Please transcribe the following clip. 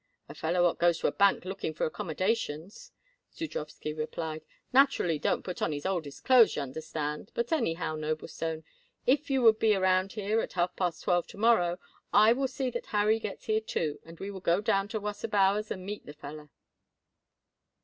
"A feller what goes to a bank looking for accommodations," Zudrowsky replied, "naturally don't put on his oldest clothes, y'understand, but anyhow, Noblestone, if you would be around here at half past twelve to morrow, I will see that Harry gets here too, and we will go down to Wasserbauer's and meet the feller."